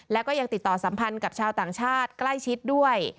แล้วก็ยังติดต่อสัมพันธ์กับชาวต่างชาติใกล้ชิดด้วย